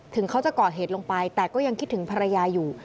เขาจะก่อเหตุลงไปแต่ก็ยังคิดถึงภรรยาอยู่